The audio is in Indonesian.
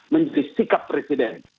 menjadi sikap presiden